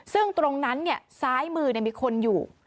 ซึ่งตรงนั้นซ้ายมือมีคนอยู่